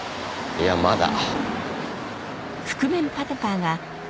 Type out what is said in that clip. いやまだ。